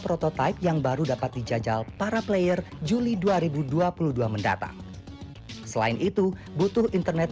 prototipe yang baru dapat dijajal para player juli dua ribu dua puluh dua mendatang selain itu butuh internet